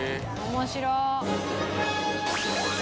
「面白っ！」